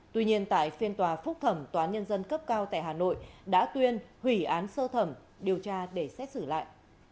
tuy nhiên tại phiên tòa phúc thẩm tòa án nhân dân cấp cao tại hà nội đã tuyên hủy án sơ thẩm điều tra để xét xử lại